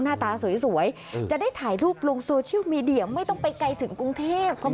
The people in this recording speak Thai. หน้าตาสวยจะได้ถ่ายรูปลงโซเชียลมีเดียไม่ต้องไปไกลถึงกรุงเทพ